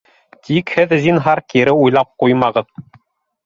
Тик һеҙ, зинһар, кире уйлап ҡуймағыҙ!